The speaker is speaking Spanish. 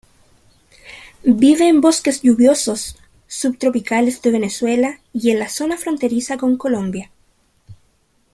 Vive en bosques lluviosos subtropicales de Venezuela y en la zona fronteriza con Colombia.